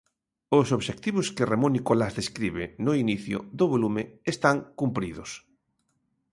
Os obxectivos que Ramón Nicolás describe no inicio do volume están cumpridos.